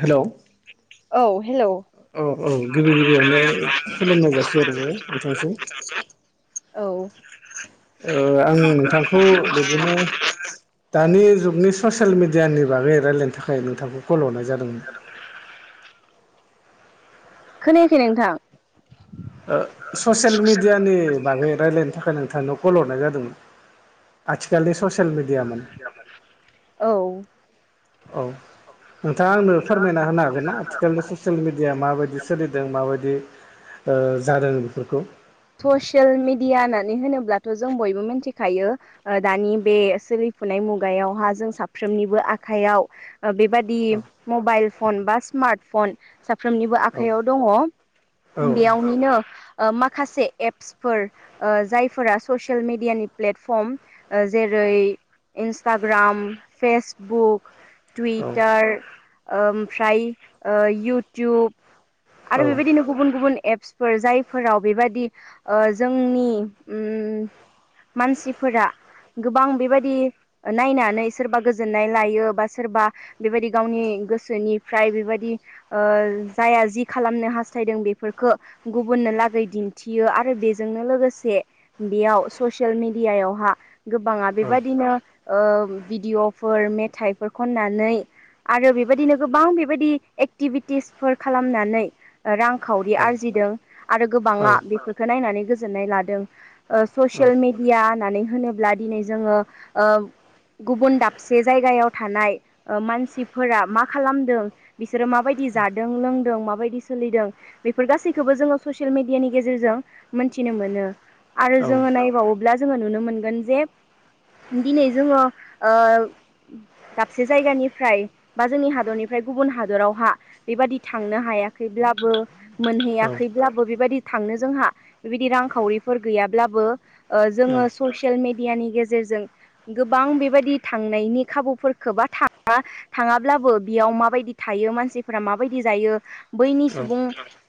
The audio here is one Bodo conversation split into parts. हेल' ‌ औ हेलौ औ औ गिबि गिबियावनो खुलुमनाय जासिहर नोंथांसिम। [inaudible] औ। ओ-आं नोंथांखौ बिदिनो दानि जुग नोंनि ससियेल मिडियानि बागै रायजलायनो थाखाय नोंथांखौ खल हरनाय जादोंमोन। खोनायाखै नोंथां। ओ-ससियेल मिडियानि बागै रायज्लायनो थाख नोंथांनाव कल हरनाय जादोंमोन आथिखालनि ससियेल मिडिया माने [unintelligible] औ। औ नोंथाङा आंनो फोरमायना होनो हागोन ना आथिखालनि ससियेल मिडिया माबायदि सोलिदों? म माबायदि ओ- जादों बेफोरखौ। ससियेल मिडिया होननानै होनोब्लाथ' जों बयबो मिथिखायो ओ- दानि बे सोलि फुनाय मुगायावहा जों साफ्रोमनिबो आखाइयाव बेबादि औ मबाइल फन बा स्मार्ट फन साफ्रोमनिबो औ आखाइयाव दङ औ बेयावनिनो माखासे एप्सफोर ओ-जायफोरा ससियेल मेडियानि प्लेटफर्म ओ-जेरै इन्सटाग्राम फेसबुक औ टुइटार ओमफ्राय ओ- इउटुब औ आरो बेबायदिनो गुबुन गुबुन एप फोर जायफोराव बेबादि ओ- जोंनि उम मानसिफोरा गोबां बेबायदि ओ-नायनानै सोरबा गोजोननाय लायो बा सोरबा बेबायदि गावनि गोसोनिफ्राय बेबायदि ओ- जाया जि खालामनो हास्थायदों बेफोरखौ गुबुननो लागै दिन्थियो आरो बेजोंनो लोगोसे बेयाव ससियेल मेडियायावहा गोबाङा औ बेबाददिनो ओ-भिडिअ'फोर मेथाइफोर खननानै आरो बेबायदिनो गोबां बेबायदि एक्टिभिटिसफोर खालामनानै रांखावरि आरजिदों आरो गोबाङा औ बेफोरखौ नायनानै गोजोननाय लादों। ओ-ससियेल मेडिया होननानै होनोब्ला दिनै जोङो ओ गुबुन दाबसे जायगायाव थानाय ओ-मानसिफोरा मा खालामदों बिसोरो माबाय दि जादों लोंदों माबायदि सोलिदों बेफोर गासैखौबो जोङो ससियेल मेडियानि गेजेरजों मोनथिनो मोनो। आरो औ जोङो नायबावोब्ला जोङो नुनो मोनगोन जे दिनै जोङो ओ दाबसे जायगानिफ्राय बा जोंनि हादरनिफ्राय गुबुन हादरावहा बेबायदि थांनो हाया खैब्लाबो औ औ मोनहैयाखैब्लाबो बेबायदि थांनो जोंहा बेबायदि रांखावरिफोर गैयाब्लाबो औ ओ-जोङो ससियेल मेडियानि गेजेरजों जों गोबां बेबायदि थांनायनि खाबुफोरखौ बा थाङाब्लाबो बेयाव मा माबायदि थायो मानसिफोरा माबायदि जायो? बैनि सुबुं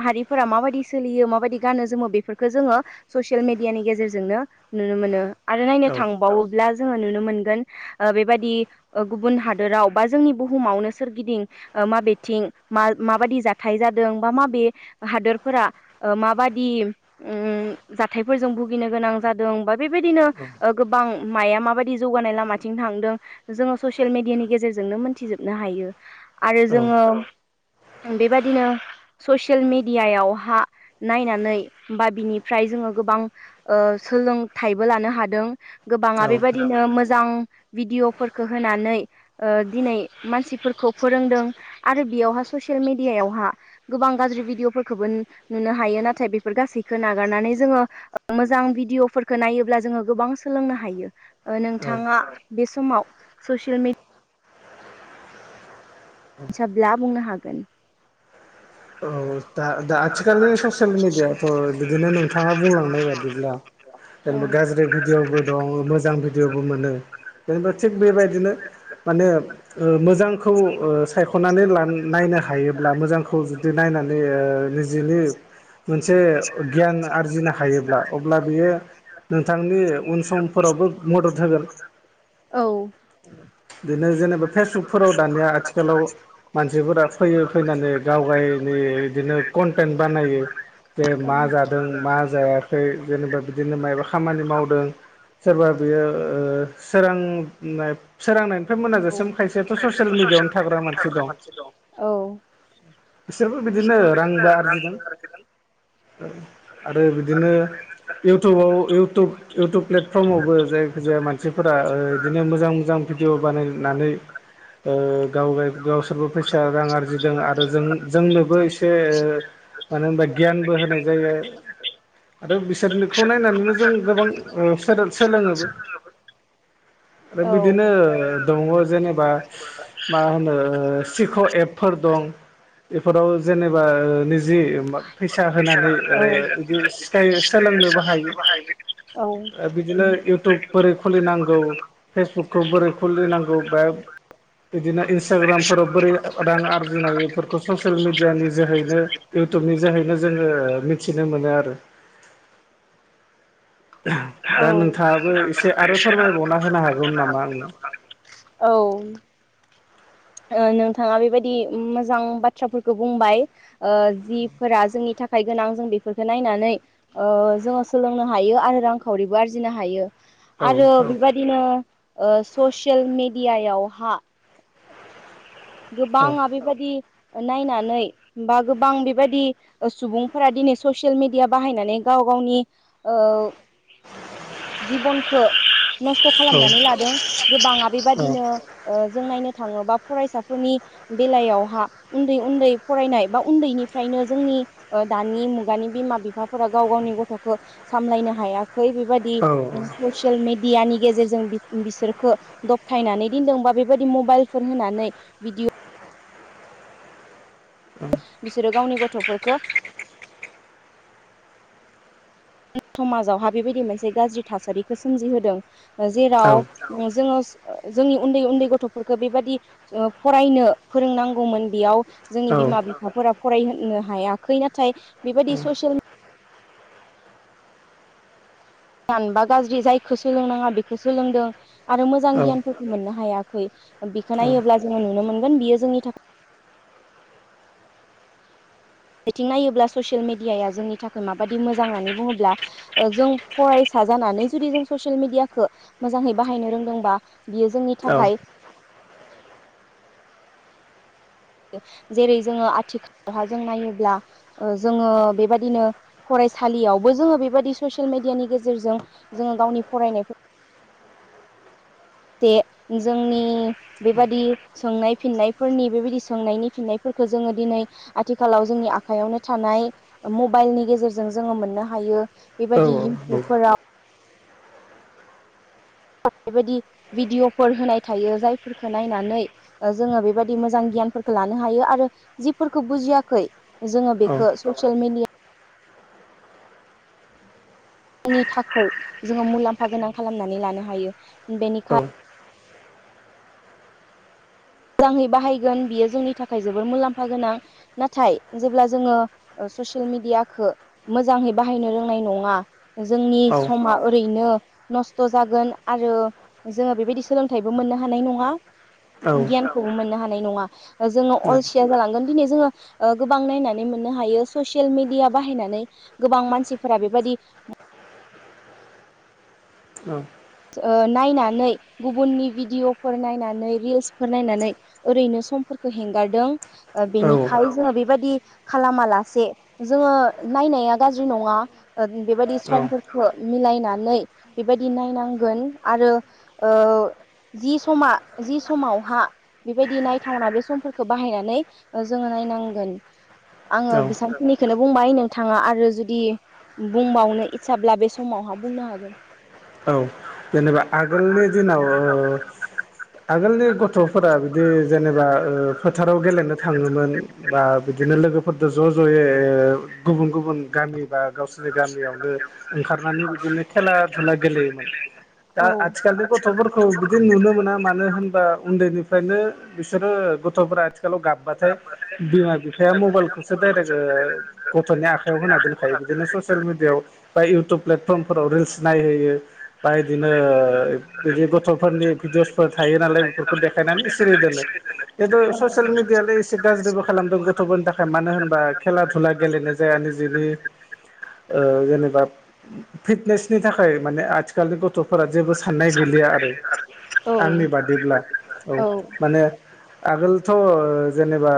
माहारिफोरा माबायदि सोलियो माबायदि गानो जोमो बेफोरखौो जोङो ससियेल मेडियानि गेजेरजोंनो नुनो मोनो आरो नायनो औ थांबावो ब्ला जोङो नुनो मोनगोन बेबादि गुबुन हादोराव बा जोंनि बुहुमावनो सोरगिदिं मा बेथिं मा माबाददि ज फाथाय जादों बा माबे हादोरफोरा ओ माबादि उम जाथायफोरजों भुगिनो गोनां जादों बा बेबायदिनो ओ गोबां माया माबायदि जौगानाय लामाथिं थांदों, जोङो ससियेल मेडियानि गेजेरजोंनो मोनथिजोबनो हायो। आरो जोङो बेबादिनो ससियेल मेडियायावहा नायनानै बा बिनिफ्राय जोङो गोबां ओ सोलोंथाइबो लानो हादों गोबाङा बेबायदिनो मोजां भिडिअ'फोरखो होनानै ओ दिनै मानसिफोरखौ फोरोंदों आरो बेयावहा ससियेल मेडियायाव हा गोबां गाज्रि भिदिअफोरखौबो नुनो हायो, नाथाय बेफोर गासैखौ नागारनानै जोङो मोजां भिडिअ'फोरखौ नायोब्ला जोङो गोबां सोलोंनो हायो। ओ नोंथाङा बे समाव ससियेल मेडि सोब्ला बुंनो हागोन। दा-दा आथिखालनि ससियेल मिडियाथ' बिदिनो नोंथाङा बुंलांनाय बादिब्ला औ जेनेबा गाज्रि भिडिअ'बो दं मोजां भिडिअ'बो मोनो। जेनेबा थिग बेबायदिनो माने ओ मोजांखौ ओ सायख'नानै लान नायनो हायोब्ला मोजांखौ जुदि नायनानै ओ निजिनि मोनसे गियान आरजिनो हायोब्ला अब्ला बियो नोंथांनि उन समफोरावबो मदद होगोन। औ बिदिनो जेनेबा फेसबुकफोराव दानिया आथिखालाव मानसिफोरा फैयो फैनानै गावगाय माने बिदिनो क'न्टेन बानायो जे मा जादों मा जायाखै जेनेबा बिदिनो मायबा खामानि मावदों सोरबा बेयो ओ सोरांनाय सोरांनाय फ्राय मोनाजासिम औ खायसेयाथ' ससियेल मेडियावनो थाग्रा मानसि दं। औ बो बिदिनो रांबो आरजिदों ओ आरो बिदिनो इउटुबाव इउटुब इउटुब प्लेटफर्मावबो जायखिजाया मानसिफोरा ओ बिदिनो मोजां मोजां भिडिअ' बानायनानै ओ गावगाय गावसोरबो फैसा रां आरजिदों आरो जों जोंनोबो एसे मानो होनबा गियानबो होनाय जायो आरो बिसोरनिखौ नायनानैनो जों गोबां ओ सोदोर सोलोङोबो। आरो बिदिनो औ दं जेनेबा मा हानो ओ सिख' एपफोर दं। बेफोराव जेनेबा निज जे फैसा होनानै ओ बिदि सिखाय सोलोंनोबो हायो। औ ओ बिदिनो इउटुब बोरै खुलिनांगौ, फेसबुकखौ बोरै खुलिनांगौ बा बिदिनो इन्सटाग्रामफोराव बोरै रां आरजिनाय एफोरखौ ससियेल मिडियानि जोहैनो, इउटुबनि जोहैनो जोङो मिथिनो मो मोनो आरो। औ दा नोंथाङाबो एसे आरो फोरमायबावना होनो हागोन नामा आंनो औ ओ नोंथाङा बेबायदि मोजां बाथ्राफोरखौ बुंबाय ओ जिफोरा जोंनि थाख थाखाय गोनां जों बेफोरखो नायनानै ओ जोङो सोलोंनो हायो आरो रांखावरिबो आरजिनो हायो। औ आरो बेबायदिनो ओ ससियेल मेडियायावहा औ गोबाङा बेबादि नायनानै बा गोबां बेबायदि ओ सुबुंफोरा दिनै ससियेल मिडिया बाहायनानै गाव गाव गावनि ओ जिबनखो नस्थ' खालामनानै लादों। गोबाङा बेबादिनो ओ जों नायनो थाङोबा फरायसा फोरनि बेलायावहा उन्दै उन्दै फरायनाय बा उन्दैनिफ्रायनो जोंनि ओ दानि मुगानि बिमा बिफाफोरा गाव गावनि गथ'खो सामलायनो हाया खै बेबादि औ उ ससियेल मेडि डियानि गेजेरजों बि बिसोरखो दबथायनानै दिनदों बा बेबादि मबाइलफोर होनानै भिडिअ' बिसोरो गावनि गथ'फोरखौ समाजावहा बेबायदि मोनसे गाज्रि थासारिखौ सोमजिहोदों। औ जेराव जोङो। जोंनि उन्दै उन्दै गथ'फोरखौ बेबादि फरायनो फोरोंनांगौमोन बेयाव जोंनि औ बिमा बिफाफोरा फरायहोननो हायाखै नाथाय बेबायदि ससियेल गियान बा गाज्रि जायखौ सोलोंनाङा बेखौ सोलोंदों आरो मोजां औ गियानफोरखौ मोननो हाया। बेखौ औ नायोब्ला जोङो नुनो मोनगोन बियो जोंनि थाखाय बिथिं नायोब्ला ससियेल मिडियाया जोंनि थाखाय माबायदि मोजां होननानै बुङोब्ला जों फरायसा जानानै जुदि जों ससियेल ममिडियाखौ मोजाङै बायनो रोंदोंबा बियो जोंनि औ थाखाय। जेरै जोङो आथिखालावहा जों नायोब्ला जोङो बेबदिनो फराय फरायसालियावबो जोङो बेबायदि ससियेल मिडियानि गेजेरजों जोङो गावनि फरायनायखौ जोंनि बेबायदि सोंनाय फिननायफोरनि बेबायदि सोंनायनि फिननायफोर फोरखो जोङो दिनै आथिखालाव जोंनि आखाइयावनो थानाय मबाइलनि गेजेरजों जोङो मोननो हायो। बेबायदि इउटुबफोराव। बेबायदि भिडिय'फोर होनाय थायो जायफोरखौ नायनानै जोङो बेबायदि मोजां। गियानफोरखौ लानो हायो आरो जिफोरखौ बुजियाखै जोङो बेखौ ससियेल मिडिया थाखै जोङो मुलाम्फा गोनां खालामनानै लानो हायो बेनिखाय मोजाङै बाहायगोन बियो जोंनि थाखाय जोबोर मुलाम्फा गोनां नाथाय जेब्ला जोङो। ससियेल मिडियाखौ मोजाङै बाहायनो रोंनाय नङा जोंनि समा ओरैनो नस्थ' जागोन आरो जोङो बेबायदि सोलोंथाइबो मोननो हानाय नङा। गियानखौ मोननो हागोन। जोङो अलसिया जालांगोन दिनै जोङो गोबां नायनानै मोननो हायोे ससियेल मिडिया बाहायनानै गोबां मानसिफोरा बेबायदि। नायनानै गुबुननि भिडिअ'फोर नायनानै रिल्सफोर नायनानै ओरैनो। [inaudible] बिबादि खालाम लासे जोङो नायनाया गारज्रि नङा बेबादि औ सम मिलायनानै बेबायदि नायनांगोन आरो। जि समा जि समावहा बेबायदि नायथावना बे समफोरखौ बाहायनानै जोङो। नायनांगोन आङो औ बेसेबांखिनिखौ बुंबाय नोंथाङा आरो जुदि बुंबावनो इस्साब्ला बे समावहा बुंनो हागोन। औ जेनेबा आगोलनि दिनाव आगोलनि गथ'फोरा बिदि जेनेबा फोथाराव गेलेनो थाङोमोन बा। बिदिनो लोगोफोरजों ज' ज'यै गुबुन गुबुन गामि बा गावसोरनि गामियावनो ओंखारनानै बिदिनो खेला धुला गेलेयोमोन दा औ आथिखालनि गथ'फोरखौ बिदि नुनो मोना मानो होनबा उन्दैनिफ्रायनो बिसोरो गथ'फोरा। आथिखालाव गाबबाथाय बिमा बिफाया मबाइलखौसो डाइरेक्ट गथ'नि आखाइायाव होना दोनखायो। बिदिनो ससियेल मिडियाव बा इउटुब प्लेट फर्मफोराव रिलस नायहैयो। बायदिनो बिदि गथ'फोरनि भिडिअसफोर थायो नालाय बेफोरखौ देखायनानै एसे औ ससेल मिडिया बे एसे गाज्रिबो खालामदों गथ'फोरनि थाखाय मानो होनबा खेला दुला गेलेनाय जाया निजेनि जेनेबा फिटनेसनि थाखाय माने आथिखालनि गथ'फोरा जेबो साननाय गैलिया आरो। आंनि बादिब्ला औ माने। आगोलथ' जेनेबा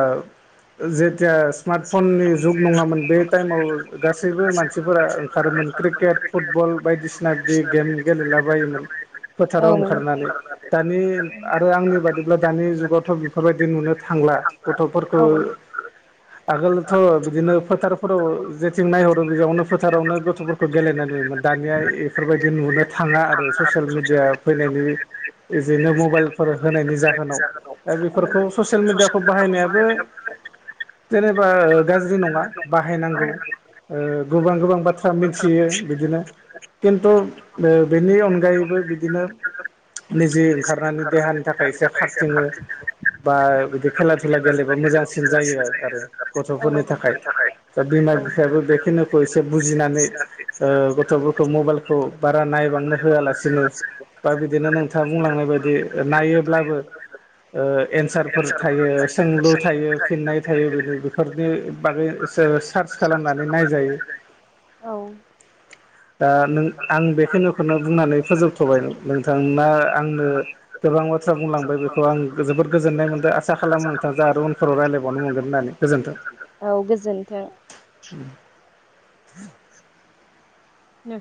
जे स्मार्ट फननि जुग नङामोन बे टाइमाव गासैबो मानसिफोरा ओंखारोमोन क्रिकेट, फुटबल फुटबल बायदिसिना बिदि गेम गेलेलाबायोमोन। औ फोथाराव ओंखारनानै दानि आरो आंनि बादिब्ला दानि जुगावथ' बेफोरबायदि नुनो थांला गथ'फोरखौ। औ आगोलथ' बिदिनो फोथारफोराव जेथिं नायहरो बेयावनो फोथारावनो गथ'फोरखौ गेलेनाय नुयोमोन। दानिया बेफोर बायदि नुनो थाङा आरो ससियेल मिडिया फैनाय लोगो बिदिनो मबाइलफोर होनायनि जाहोनाव दा औ बेफोरखौ ससियेल मिडियाखौ बाहायनायाबो। जेनेबा गाज्रि नङा बाहायनांगौ औ ओ गोबां गोबां बाथ्रा मिथियो बिदिनो खिन्थु बेनि अनगायैबो बिदिनो निजे ओंखारनानै देहानि थाखाय एसे खारथिङो बा बिदि खेला दुला गेलेबा मोजांसिन जायो आरो गथफोरनि थाखाय दा बिमा फ्राबो बेखिनिखौ एसे बुजिनानै ओ थफोरखौ मबाइलखौ बारा नायबांनो होआलासिनो बा बिदिनो नोंथाङा बुंलांनाय बायदि नायोब्लाबो ओ एन्सारफोर थायो सोंलु थायो फिन्नाय थायो बिदि बेफोरनि बागै ओ सार्च खालामनानै नायजायो औ [inaudible] दा नों आं बेखिनिखौनो बुंनानै फोजोबथबाय नोंथां ना आंनो गोबां बाथ्रा बुंलांबाय बेखौ आं जोबोद गोजोन्नाय मोनदों आसा खालामो नोंथांजा आरो उनफोराव रायलायबावनो मोनगोन होननानै गोजोन्थों औ गोजोनथों [inaudible] नों